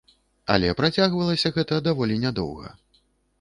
Але працягвалася гэта даволі нядоўга.